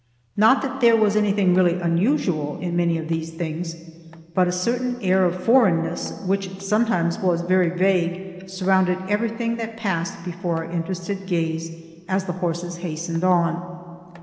Not that there was anything really unusual in many of these things, but a certain air of foreignness, which sometimes was very vague, surrounded everything that passed before our interested gaze as the horses hastened on.